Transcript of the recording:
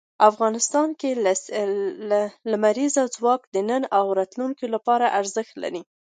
افغانستان کې لمریز ځواک د نن او راتلونکي لپاره ارزښت لري.